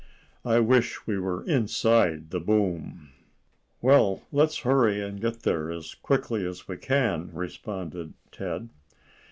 "I wish we were inside the boom." "Well, let's hurry and get there as quickly as we can," responded Ted.